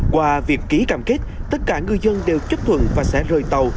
qua việc ký cam kết tất cả ngư dân đều chấp thuận và sẽ rời tàu